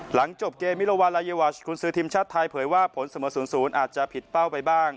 หลังจบเกมมิลวาลาเยาวัชกุญศือทีมชาติไทยเผยว่าผลเสมอ๐๐อาจจะผิดเป้าไปบ้าง